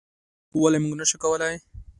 ولې موږ نشو کولی؟